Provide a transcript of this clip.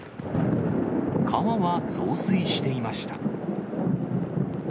川は増水していました。